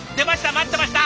待ってました。